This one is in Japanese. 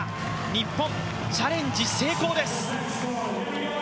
日本、チャレンジ成功です。